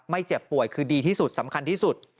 เจ็บป่วยคือดีที่สุดสำคัญที่สุด